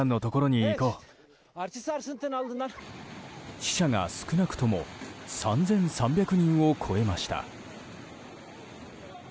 死者が少なくとも３３００人を超えました。